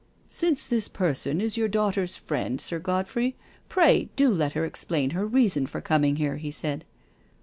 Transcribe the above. " Since this person is your daughter's friend. Sir Godfrey, pray, do let hec explain her reason for. coming here," he said.